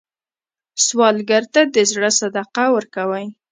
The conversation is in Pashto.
سوالګر ته د زړه صدقه ورکوئ